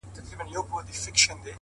سیاه پوسي ده. ماسوم یې ژاړي.